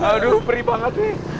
aduh perih banget nih